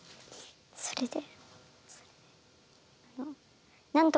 それで。